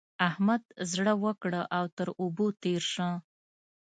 احمد زړه وکړه او تر اوبو تېر شه.